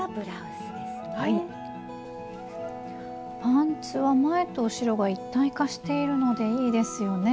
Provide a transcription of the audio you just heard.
パンツは前と後ろが一体化しているのでいいですよね。